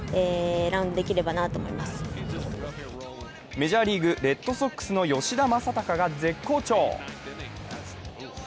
メジャーリーグ、レッドソックスの吉田正尚が絶好調。